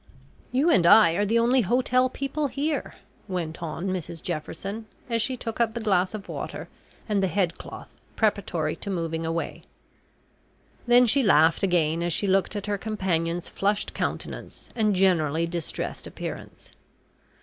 "You and I are the only hotel people here," went on Mrs Jefferson, as she took up the glass of water and the head cloth preparatory to moving away. Then she laughed again as she looked at her companion's flushed countenance and generally distressed appearance.